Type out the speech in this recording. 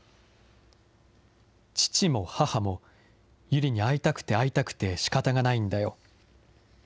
父も母も、友梨に会いたくて会いたくてしかたがないんだよ。